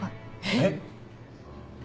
えっ？